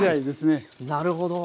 なるほど。